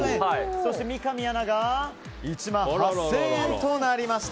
そして、三上アナが１万８０００円となりました。